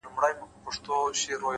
هره ناکامي د بیا هڅې درس دی